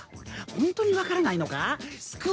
本当に分からないのか？